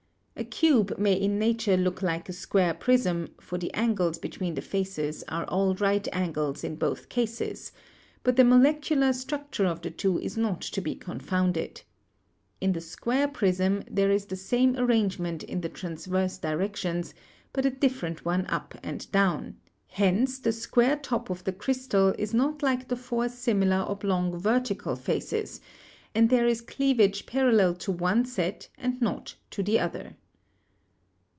A cube may in nature look like a square prism, for the angles between the faces are all right angles in both cases; but the molecular struc ture of the two is not to be confounded. In the square prism there is the same arrangement in the transverse directions, but a different one up and down; hence the square top of the crystal is not like the four similar ob long vertical faces, and there is cleavage parallel to one set and not to the other.